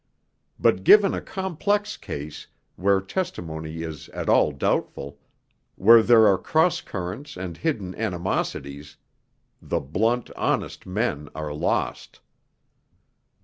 But given a complex case, where testimony is at all doubtful, where there are cross currents and hidden animosities, the 'blunt, honest' men are lost.